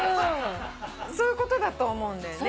そういうことだと思うんだよね。